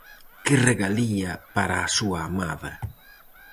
Que regalía para a súa amada!